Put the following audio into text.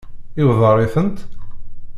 Iweddeṛ-itent?